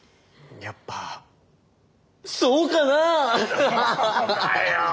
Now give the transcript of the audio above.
やっぱそうかなあ！？